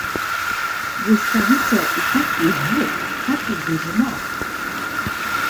"Błyskawice i taki huk, taki grzmot."